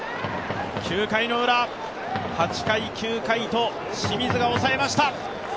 ９回のウラ、８回、９回と清水が抑えました。